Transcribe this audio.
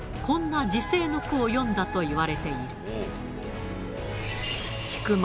こんな辞世の句を呼んだといわれている。